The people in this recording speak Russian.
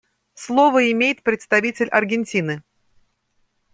Слово имеет представитель Аргентины.